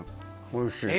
おいしい。